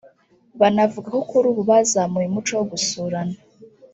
Banavuga ko kuri ubu bazamuye umuco wo gusurana